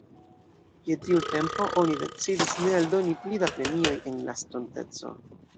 Je tiu tempo, oni decidis ne aldoni pli da premioj en la estonteco.